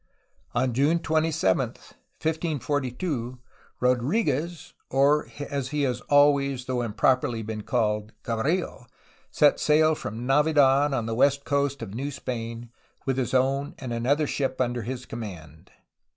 On June 27, 1542, Rodriguez, or as he has always (though improperly) been called Cabrillo, set sail from Navidad on the west coast of New Spain, with his own and another ship under his command.